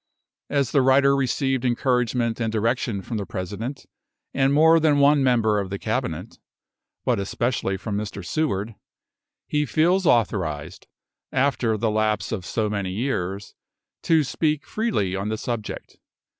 As the writer received encouragement and direction from the President and more than one member of the Cabinet, but especially from Mr. Seward, he feels authorised, after the lapse of so many years, to speak freely on the subject.